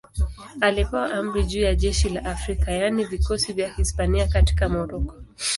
Alipewa amri juu ya jeshi la Afrika, yaani vikosi vya Hispania katika Moroko.